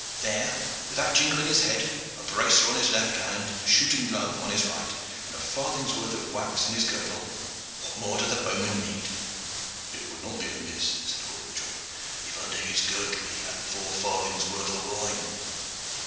There, with that jingle in his head, a bracer on his left hand, a shooting glove on his right, and a farthing's worth of wax in his girdle, what more doth a bowman need?" "It would not be amiss," said Hordle John, "if under his girdle he had four farthings' worth of wine."